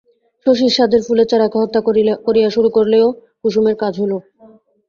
শশীর সাধের ফুলের চারাকে হত্যা করিয়া শুরু করিলেও কুসুমের কাজ হইল।